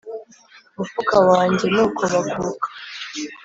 Mufuka wanjye nuko bakuka